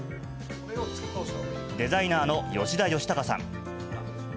デザイナーの吉田義貴さん。